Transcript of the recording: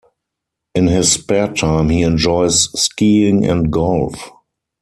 In his spare time he enjoys skiing and golf.